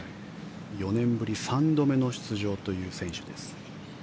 ４年ぶり３度目の出場という選手です。